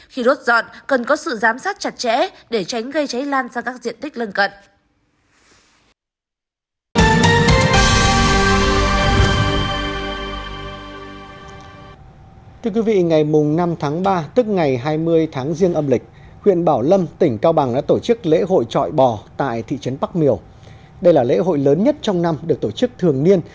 khi đốt dọn cần có sự giám sát chặt chẽ để tránh gây cháy lan sang các diện tích lân cận